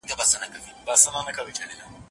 شاګرد ته د موضوع د څېړلو جوړښت ور ښودل کیږي.